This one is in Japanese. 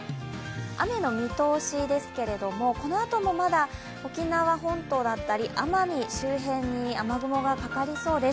雨の見通しですけれども、このあともまだ沖縄本島だったり奄美周辺に雨雲がかかりそうです。